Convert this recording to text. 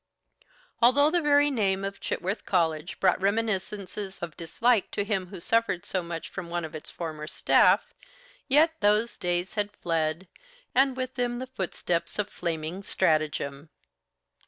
Although the very name of Chitworth College brought reminiscences of dislike to him who suffered so much from one of its former staff, yet those days had fled, and with them the footsteps of flaming stratagem.